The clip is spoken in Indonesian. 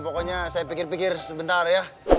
pokoknya saya pikir pikir sebentar ya